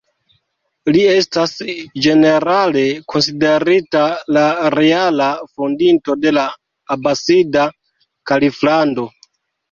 Li estas ĝenerale konsiderita la reala fondinto de la Abasida Kaliflando.